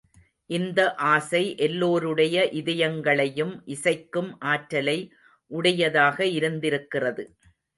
அந்த இசை எல்லோருடைய இதயங்களையும் இசைக்கும் ஆற்றலை உடையதாக இருந்திருக்கிறது.